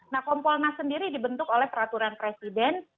nah kompolnas sendiri dibentuk oleh peraturan presiden